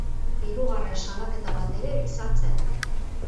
Hirugarren salaketa bat ere izan zen.